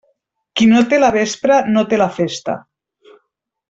Qui no té la vespra, no té la festa.